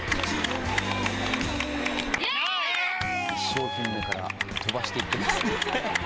１商品目から飛ばして行っていますね。